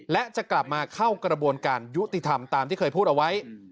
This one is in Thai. และจะกลับมาเข้ากระบวนการยุติธรรมตามที่เคยพูดเอาไว้